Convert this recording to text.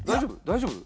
大丈夫？